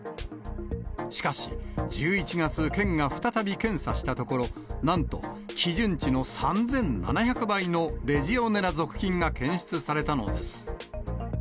しかし、１１月、県が再び検査したところ、なんと基準値の３７００倍のレジオネラ属菌が検出されたのです。